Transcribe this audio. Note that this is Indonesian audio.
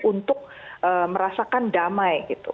ini untuk merasakan damai